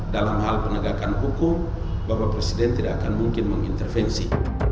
dalam hal penegakan hukum bapak presiden tidak akan mungkin mengintervensi